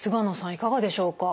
いかがでしょうか？